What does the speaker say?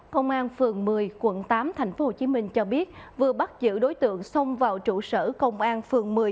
công an phường một mươi quận tám thành phố hồ chí minh cho biết vừa bắt giữ đối tượng xông vào trụ sở công an phường một mươi